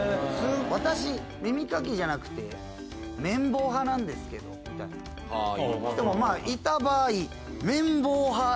私耳かきじゃなくて綿棒派なんですけどみたいな人もいた場合。